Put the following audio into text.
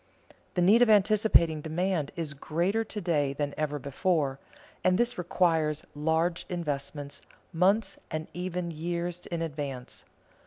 The need of anticipating demand is greater to day than ever before, and this requires large investments months and even years in advance.